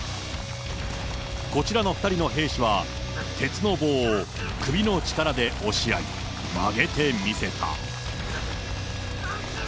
こちらの２人の兵士は、鉄の棒を首の力で押し合い、曲げてみせた。